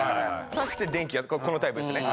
差して電気このタイプですね。